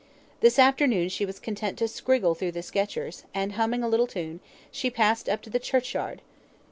... This afternoon she was content to "scriggle" through the sketchers, and humming a little tune, she passed up to the churchyard.